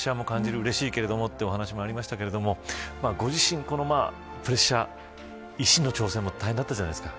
うれしいけれどもというお話がありましたけれどもご自身、このプレッシャー医師の挑戦も大変だったじゃないですか。